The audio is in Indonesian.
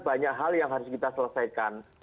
banyak hal yang harus kita selesaikan